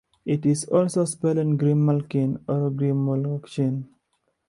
It is also spelled Grimmalkin or Grimolochin.